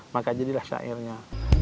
maka jadilah syairnya